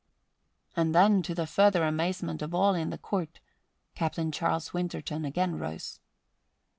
And then, to the further amazement of all in the court, Captain Charles Winterton again rose.